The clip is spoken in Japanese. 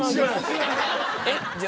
えっじゃあ。